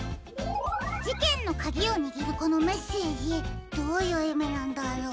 じけんのかぎをにぎるこのメッセージどういういみなんだろう。